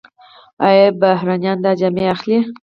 آیا بهرنیان دا جامې اخلي؟